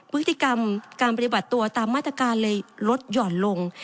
พฤติกรรมการปฏิบัติตัวตามมาตรการเลยลดหย่อนลง